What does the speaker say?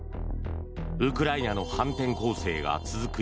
ウクライナの反転攻勢が続く